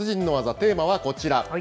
テーマはこちら。